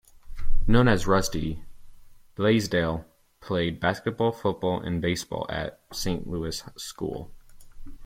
Known as "Rusty", Blaisdell played basketball, football, and baseball at Saint Louis School.